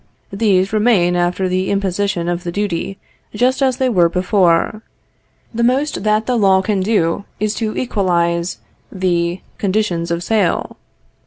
These remain after the imposition of the duty just as they were before. The most that the law can do is to equalize the conditions of sale.